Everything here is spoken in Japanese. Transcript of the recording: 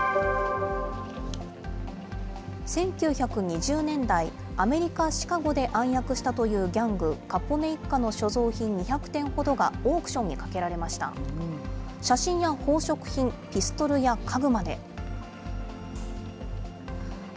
１９２０年代、アメリカ・シカゴで暗躍したというギャング、カポネ一家の所蔵品２００点ほどが、オークションにかけられました。